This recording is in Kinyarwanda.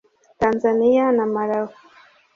Tanzania na Malawi